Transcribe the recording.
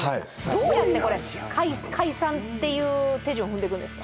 どうやってこれ解散っていう手順を踏んでいくんですか？